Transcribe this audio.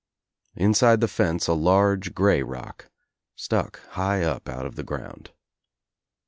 Inside the fence a large grey rock stuck high up out of the ground.